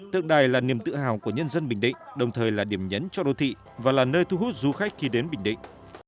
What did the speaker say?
tượng đài là niềm tự hào của nhân dân bình định đồng thời là điểm nhấn cho đô thị và là nơi thu hút du khách khi đến bình định